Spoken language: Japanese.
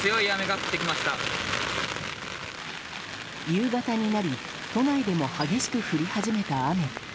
夕方になり都内でも激しく降り始めた雨。